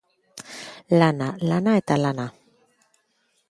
Lana, lana eta lana.